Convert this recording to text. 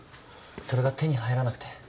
それが手に入らなくて。